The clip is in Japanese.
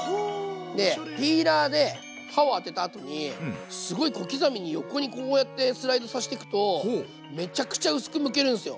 でピーラーで刃をあてたあとにすごい小刻みに横にこうやってスライドさしてくとめちゃくちゃ薄くむけるんですよ。